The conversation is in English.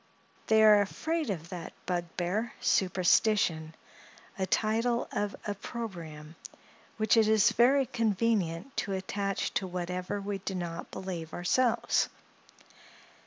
They are afraid of that bugbear, Superstition—a title of opprobrium which it is very convenient to attach to whatever we do not believe ourselves.